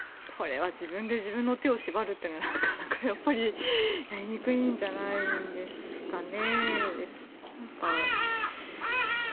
自分で自分の手を縛るというのはなかなかやっぱりやりにくいんじゃないですかね。